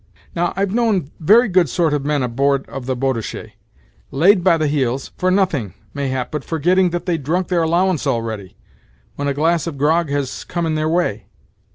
"Now, I've known very good sort of men, aboard of the Boadishey, laid by the heels, for nothing, mayhap, but forgetting that they'd drunk their allowance already, when a glass of grog has come in their way.